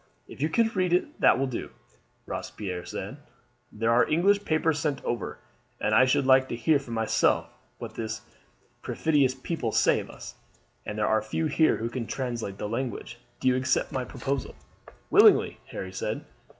"If you can read it that will do," Robespierre said. "There are English papers sent over, and I should like to hear for myself what this perfidious people say of us, and there are few here who can translate the language. Do you accept my proposal?" "Willingly," Harry said.